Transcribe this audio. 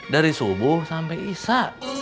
dari subuh sampe isa